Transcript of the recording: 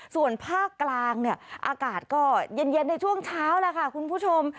ส่วนภาคกลางเนี่ยอากาศก็เย็นในช่วงเช้าแล้วค่ะคุณผู้ชม